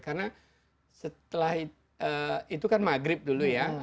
karena setelah itu kan maghrib dulu ya